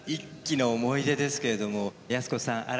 １期の思い出ですけれども靖子さん